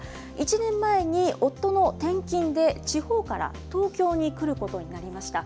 １年前に夫の転勤で、地方から東京に来ることになりました。